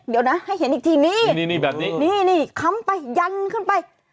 เดี๋ยวนะให้เห็นอีกทีนี่ค้ำไปยันขึ้นไป